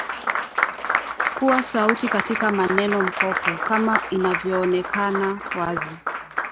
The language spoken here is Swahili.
kuwa sauti katika maneno mkopo kama inavyoonekana wazi